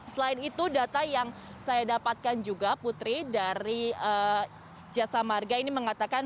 selain itu data yang saya dapatkan juga putri dari jasa marga ini mengatakan